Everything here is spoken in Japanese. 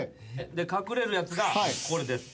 隠れるやつがこれです。